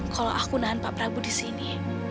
kalau aku nahan pak prabu disini